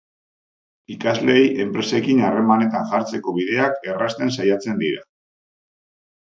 Ikasleei enpresekin harremanetan jartzeko bideak errazten saiatzen dira.